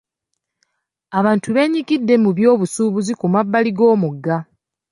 Abantu beenyigidde mu byobusuubuzi ku mabbali g'omugga.